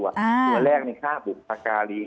ตัวแรกฆ่าบุพการี